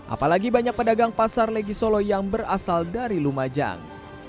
apalagi banyak pedagang pasar legi solo yang berasal dari lumajang